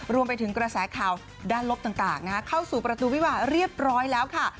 รวมไปถึงกระแสข่าวด้านลบต่างเข้าสู่ประตูวิวาเรียบร้อยแล้วค่ะ